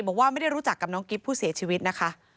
บอกว่าไม่ได้รู้จักกับน้องกิ๊บผู้เสียชีวิตนะคะ